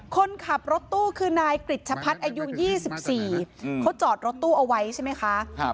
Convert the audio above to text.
คนขับรถตู้คือนายกริจชะพัฒน์อายุ๒๔เขาจอดรถตู้เอาไว้ใช่ไหมคะ